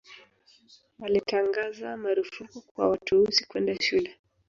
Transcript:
walitangaza marufuku kwa watu weusi kwenda shule